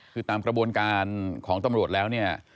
คือตามกระบวนการของตำรวจแล้วเนี่ย